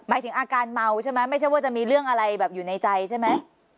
ถึงอาการเมาใช่ไหมไม่ใช่ว่าจะมีเรื่องอะไรแบบอยู่ในใจใช่ไหม